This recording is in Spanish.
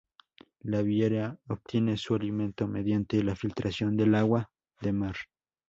La vieira obtiene su alimento mediante la filtración del agua de mar.